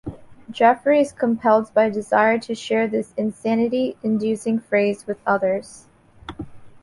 Jeffrey is compelled by a desire to share this insanity-inducing phrase with others.